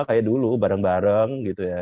seperti dulu bareng bareng